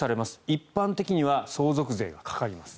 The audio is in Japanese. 一般的には相続税がかかります。